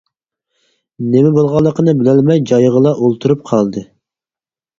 نېمە بولغانلىقىنى بىلەلمەي جايغىلا ئولتۇرۇپ قالدى.